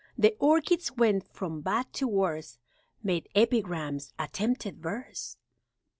The Orchids went from bad to worse, Made epigrams attempted verse!